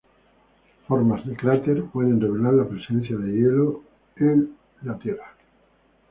Formas de cráter pueden revelar la presencia de hielo de tierra.